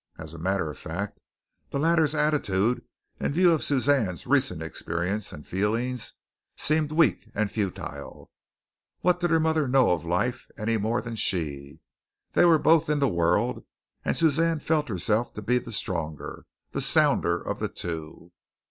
As a matter of fact, the latter's attitude, in view of Suzanne's recent experience and feelings, seemed weak and futile. What did her mother know of life any more than she? They were both in the world, and Suzanne felt herself to be the stronger the sounder of the two.